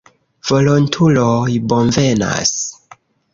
Volontuloj bonvenas.